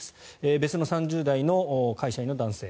別の３０代の会社員の男性。